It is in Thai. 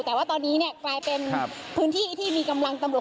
แต่ว่าตอนนี้เนี่ยกลายเป็นพื้นที่ที่มีกำลังตำรวจ